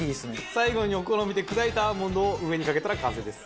最後にお好みで砕いたアーモンドを上にかけたら完成です。